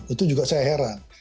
itu juga saya heran